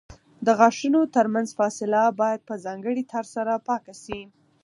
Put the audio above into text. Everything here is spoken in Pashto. د غاښونو ترمنځ فاصله باید په ځانګړي تار سره پاکه شي.